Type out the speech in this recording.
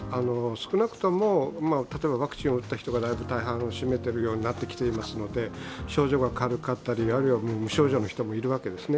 少なくともワクチンを打った人がだいぶ大半を占めているようになってきていますので、症状が軽かったり無症状の人もいるわけですね。